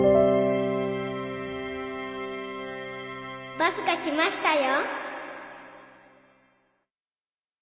バスが来ましたよ。